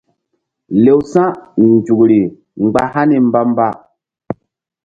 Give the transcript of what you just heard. Lew sa̧nzukri mgba hani mba-mba.